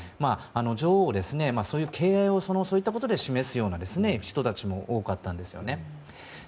女王への敬愛をそういったことで示すような人たちも多かったんですよね。